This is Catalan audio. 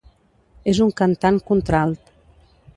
És un cantant contralt.